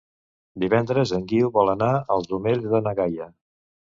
Divendres en Guiu vol anar als Omells de na Gaia.